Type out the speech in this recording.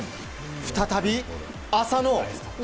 再び、浅野。